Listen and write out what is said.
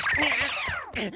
えっ？